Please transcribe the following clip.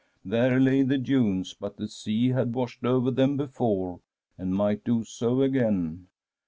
There lay the dunes, but the sea had washed over them before, and might do' so again.